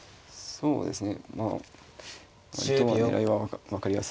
そうですね。